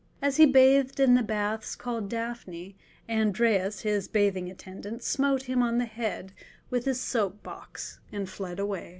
"As he bathed in the baths called Daphne, Andreas his bathing attendant smote him on the head with his soap box, and fled away."